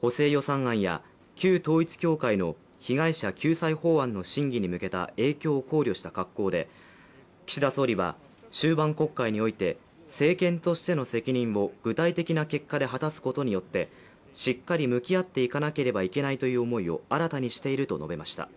補正予算案や旧統一教会の被害者救済法案の審議に向けた影響を考慮した格好で、岸田総理は終盤国会において政権としての責任を具体的な結果で果たすことによって、しっかり向き合っていかなければいけないという思いを新たにしていると述べました。